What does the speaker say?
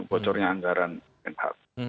bocornya anggaran nh